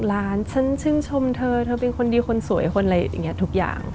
ล้านฉันชื่นชมเธอเธอเป็นคนดีคนสวยคนอะไรอย่างนี้ทุกอย่าง